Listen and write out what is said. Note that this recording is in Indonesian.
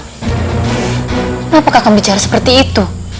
kenapa kamu bicara seperti itu